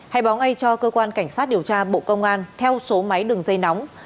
hãy báo ngay cho cơ quan cảnh sát điều tra bộ công an theo số máy đường dây nóng